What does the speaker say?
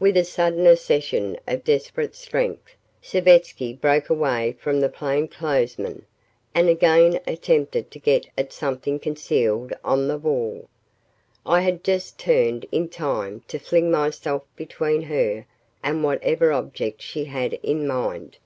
With a sudden accession of desperate strength, Savetsky broke away from the plainclothesman and again attempted to get at something concealed on the wall. I had turned just in time to fling myself between her and whatever object she had in mind.